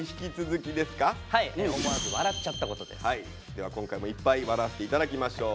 では今回もいっぱい笑わせて頂きましょう。